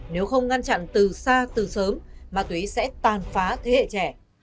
nếu không ngăn chặn từ xa từ sớm ma túy sẽ tàn phá thế hệ trẻ